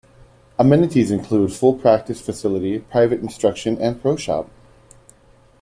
Amenities include a full practice facility, private instruction, and pro shop.